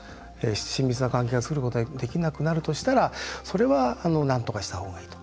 親密な関係が作ることができなくなるとしたらそれはなんとかした方がいいと。